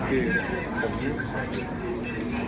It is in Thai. คือผม